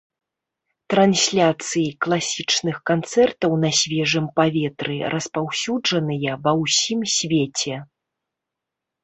Трансляцыі класічных канцэртаў на свежым паветры распаўсюджаныя ва ўсім свеце.